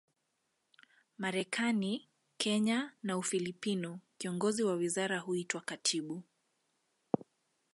Marekani, Kenya na Ufilipino, kiongozi wa wizara huitwa katibu.